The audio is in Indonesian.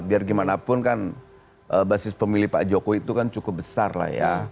biar gimana pun kan basis pemilih pak jokowi itu kan cukup besar lah ya